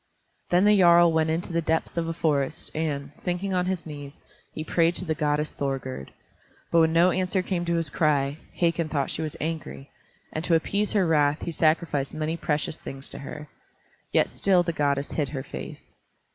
Then the jarl went into the depths of a forest, and, sinking on his knees, he prayed to the goddess Thorgerd. But when no answer came to his cry, Hakon thought she was angry, and to appease her wrath he sacrificed many precious things to her. Yet still the goddess hid her face.